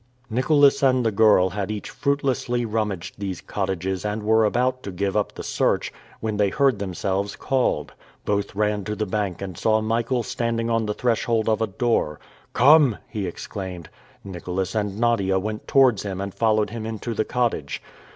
Nicholas and the girl had each fruitlessly rummaged these cottages and were about to give up the search, when they heard themselves called. Both ran to the bank and saw Michael standing on the threshold of a door. "Come!" he exclaimed. Nicholas and Nadia went towards him and followed him into the cottage.